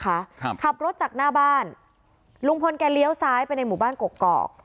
ครับขับรถจากหน้าบ้านลุงพลแกเลี้ยวซ้ายไปในหมู่บ้านกกอก